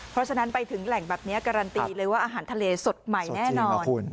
เพราะฉะนั้นไปถึงแหล่งแบบนี้การันตีเลยว่าอาหารทะเลสดใหม่แน่นอน